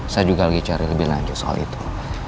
saya juga lagi cari lebih lanjut soal itu